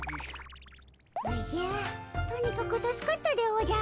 おじゃとにかく助かったでおじゃる。